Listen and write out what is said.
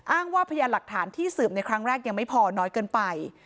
อ้างว่าพยานหลักฐานที่สืบในครั้งแรกยังไม่พอน้อยเกินไป